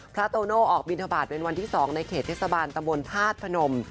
โตโน่ออกบินทบาทเป็นวันที่๒ในเขตเทศบาลตำบลธาตุพนม